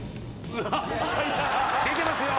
出てますよ！